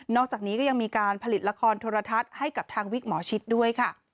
อกจากนี้ก็ยังมีการผลิตละครโทรทัศน์ให้กับทางวิกหมอชิดด้วยค่ะ